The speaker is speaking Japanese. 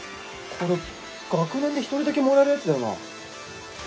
これ学年で１人だけもらえるやつだよな？